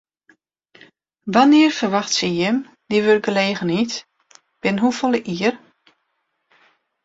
Wannear ferwachtsje jim dy wurkgelegenheid, binnen hoefolle jier?